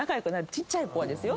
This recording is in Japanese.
ちっちゃい子はですよ。